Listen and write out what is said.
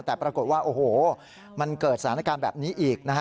แต่ปรากฏว่าโอ้โหมันเกิดสถานการณ์แบบนี้อีกนะฮะ